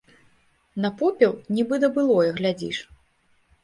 На попел, нібы на былое, глядзіш.